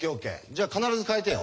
じゃあ必ず変えてよ。